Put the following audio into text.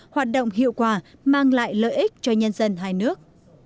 hoạt động hiệu quả mang lại lợi ích cho nhân dân hai nước